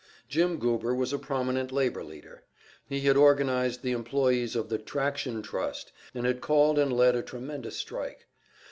Jim Goober was a prominent labor leader. He had organized the employees of the Traction Trust, and had called and led a tremendous strike.